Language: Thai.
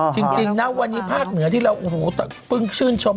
จริงนะวันนี้ภาคเหนือที่เราปึ้งชื่นชม